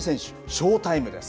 ショータイムです。